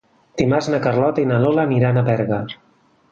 Dimarts na Carlota i na Lola aniran a Berga.